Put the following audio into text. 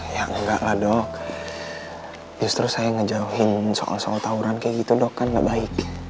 ya enggak lah dok justru saya ngejauhin soal soal tawuran kayak gitu dok kan gak baik